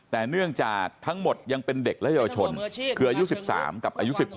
แต่เนื่องจากทั้งหมดยังเป็นเด็กและเยาวชนคืออายุ๑๓กับอายุ๑๖